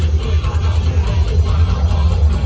ยิ่งจริงถึงแผ่นอาแผ่น